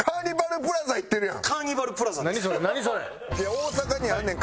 大阪にあるねん